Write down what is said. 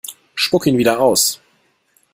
Spuck ihn wieder aus!